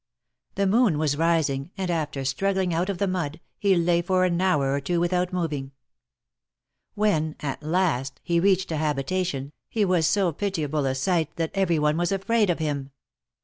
The moon was rising, and after strug gling out of the mud, he lay for an hour or two without moving. When, at last, he reached a habitation, he was so pitiable a sight that every one was afraid of him.